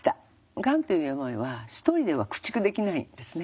がんという病は１人では駆逐できないんですね。